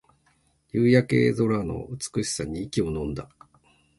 夕焼け空の美しさに息をのんだ